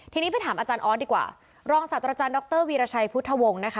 ทีนี้ไปถามอาจารย์ออสดีกว่ารองศาสตราจารย์ดรวีรชัยพุทธวงศ์นะคะ